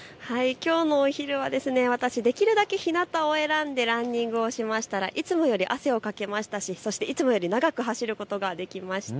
きょうのお昼は私、できるだけひなたを選んでランニングをしましたがいつもより汗をかきましたし、いつもより長く走ることができました。